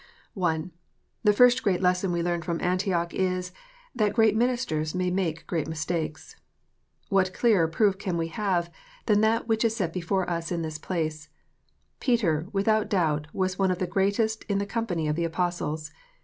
I. The first great lesson we learn from Antioch is, that great ministers may make great mistakes. What clearer proof can we have than that which is set before us in this place ; Peter, without doubt, was one of the greatest in the company of the Apostles.